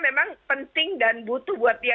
memang penting dan butuh buat dia